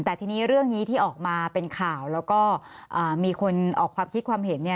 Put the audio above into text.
แต่ทีนี้เรื่องนี้ที่ออกมาเป็นข่าวแล้วก็มีคนออกความคิดความเห็นเนี่ย